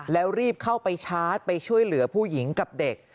แล้วรีบเข้าไปชาร์จไปช่วยเหลือผู้หญิงกับเด็ก